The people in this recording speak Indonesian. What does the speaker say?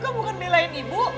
gue bukan belain ibu